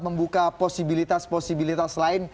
membuka posibilitas posibilitas lain